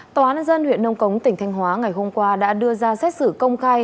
tòa án nhân dân huyện nông cống tỉnh thanh hóa ngày hôm qua đã đưa ra xét xử công khai